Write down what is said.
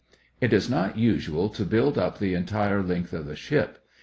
It is not usual to build up the entire length of the ship.